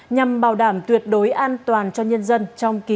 nhằm bảo đảm tuyệt đối an toàn cho nhân dân trong kỳ nghỉ lễ mùng hai tháng chín